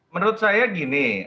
menurut saya gini